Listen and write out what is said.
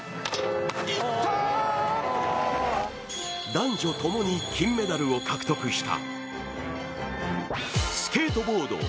男女ともに金メダルを獲得した。